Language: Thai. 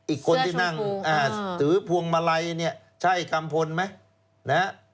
อีกคนที่นั่งถือพวงมะไลนี่ใช่กำพลไหม